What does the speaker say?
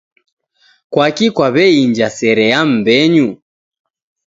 Kwaki kwaw'einja sere ya mbenyu?